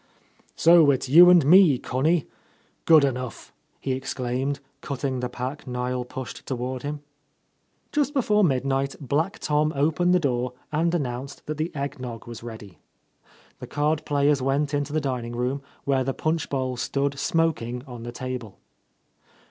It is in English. "So It's you and me, Connie? Good enough !'' he exclaimed, cutting the pack Niel pushed toward him. Just before midnight Black Tom opened the door and announced that the egg nog was ready. The card players went into the dining room, where the punch bowl stood smoking on the table.